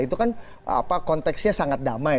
itu kan konteksnya sangat damai